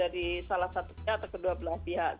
dari salah satunya atau kedua belah pihak